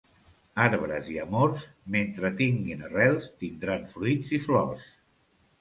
Arbres i amors, mentre tinguen arrels tindran fruits i flors.